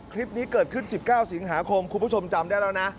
คลิปนี้เกิดขึ้น๑๙สิงหาคมคุณผู้ชมจำได้แล้วนะ